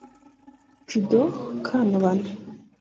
Judo Kanobana